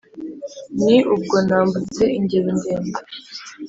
Ni ubwo nambutse ingeri ndende.